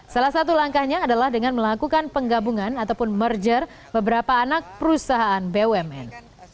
salah satu langkahnya adalah dengan melakukan penggabungan ataupun merger beberapa anak perusahaan bumn